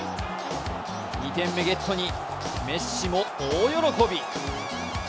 ２点目ゲットにメッシも大喜び。